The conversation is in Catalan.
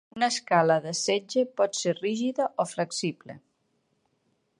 Una escala de setge pot ser rígida o flexible.